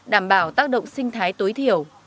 đảm bảo tác động sinh thái tối thiểu